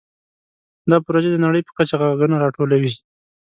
دا پروژه د نړۍ په کچه غږونه راټولوي.